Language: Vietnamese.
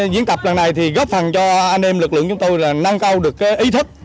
diễn tập lần này thì góp phần cho anh em lực lượng chúng tôi là nâng cao được ý thức